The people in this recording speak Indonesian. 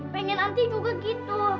pengen anti juga gitu